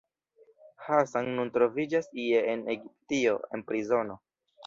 Hassan nun troviĝas ie en Egiptio, en prizono.